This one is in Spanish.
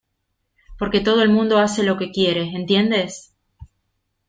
porque todo el mundo hace lo que quiere, ¿ entiendes?